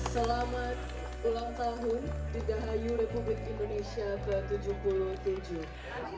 selamat ulang tahun digahayu republik indonesia ke tujuh puluh tujuh